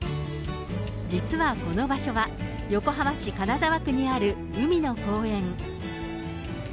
実はこの場所は、横浜市金沢区にある海の公園。